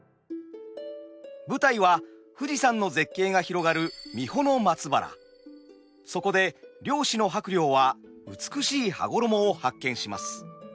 舞台は富士山の絶景が広がるそこで漁師の伯了は美しい羽衣を発見します。